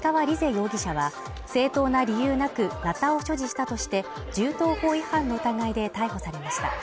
容疑者は、正当な理由なくなたを所持したとして銃刀法違反の疑いで逮捕されました。